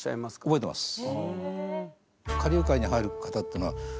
覚えてます。